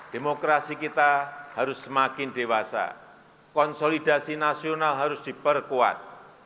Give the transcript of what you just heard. demokrasi kita harus semakin dewasa konsolidasi nasional harus diperkuat